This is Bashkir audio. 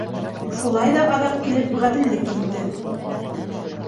Шулай ҙа, аҙаҡ килеп, ғәҙеллек еңде.